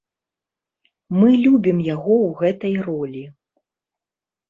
Мы любім яго ў гэтай ролі.